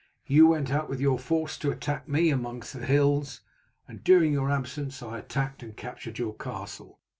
You went out with your force to attack me among the hills, and during your absence I attacked and captured your castle.